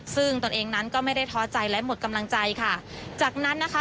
ซึ่งตนเองนั้นก็ไม่ได้ท้อใจและหมดกำลังใจค่ะจากนั้นนะคะ